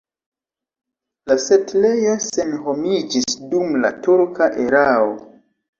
La setlejo senhomiĝis dum la turka erao.